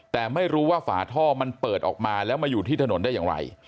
แต่ไม่รู้ว่าฝาท่อมันเปิดออกมาแล้วมาอยู่ที่ถนนได้อย่างไร